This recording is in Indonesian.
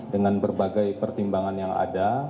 dengan berbagai pertimbangan yang ada